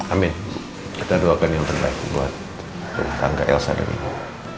amin kita doakan yang terbaik buat rumah tangga elsa dan riki